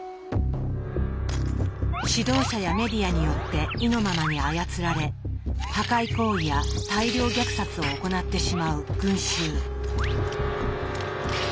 指導者やメディアによって意のままに操られ破壊行為や大量虐殺を行ってしまう群衆。